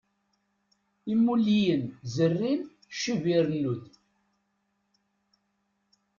Imulliyen zerrin, ccib irennu-d.